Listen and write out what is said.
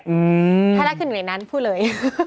ไทยรัฐขึ้นอยู่ในนั้นพูดเลย